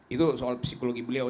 itu soal psikologi beliau